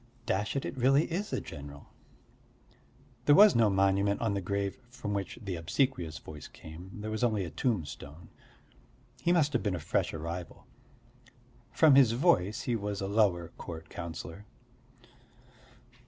Hm, dash it, it really is a general! There was no monument on the grave from which the obsequious voice came, there was only a tombstone. He must have been a fresh arrival. From his voice he was a lower court councillor.